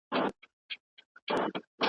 ځینې ناروغان د انسولین پیچکارۍ ته اړتیا لري.